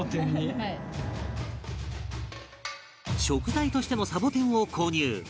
食材としてもサボテンを購入